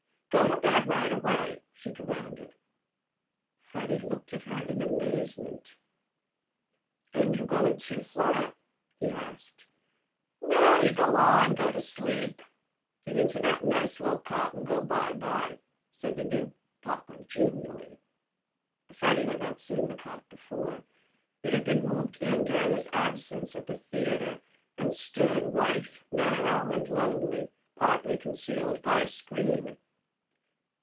"Go to bed right away," she commanded. Freddy looked at her in amazement. "Ain't you goin', too, Florette?" he asked. "No, you go on go to sleep." "Git into that nice li'l cot an' go by by," said the new papa genially. Freddy had not seen the cot before. It had been moved in during his absence at the theatre, and stood white, narrow, and lonely, partly concealed by a screen.